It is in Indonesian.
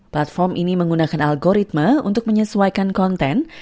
platform ini menggunakan algoritma untuk menyesuaikan konten